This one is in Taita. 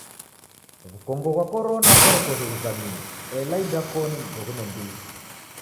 W'ukongo ghwa korona ghorekoghe ghuzamie ela idakoni ndoghune ndighi.